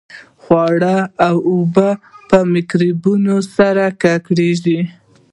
خواړه او اوبه په میکروبونو سره ککړېږي.